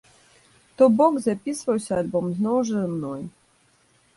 То бок, запісваўся альбом зноў жа мной.